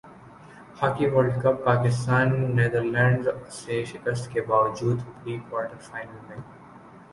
hockey world cup Pakistan Netherlands سے شکست کے باوجود پری کوارٹر فائنل میں